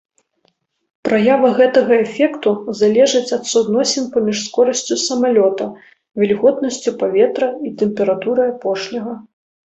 Праява гэтага эфекту залежыць ад суадносін паміж скорасцю самалёта, вільготнасцю паветра і тэмпературай апошняга.